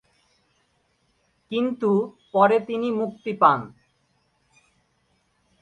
কিন্তু পরে তিনি মুক্তি পান।